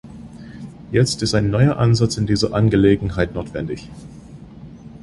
Jetzt ist ein neuer Ansatz in dieser Angelegenheit notwendig.